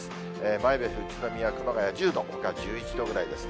前橋、宇都宮、熊谷１０度、ほかは１１度ぐらいですね。